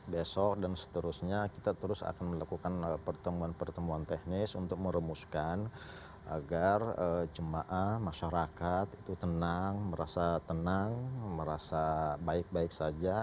besok dan seterusnya kita terus akan melakukan pertemuan pertemuan teknis untuk merumuskan agar jemaah masyarakat itu tenang merasa tenang merasa baik baik saja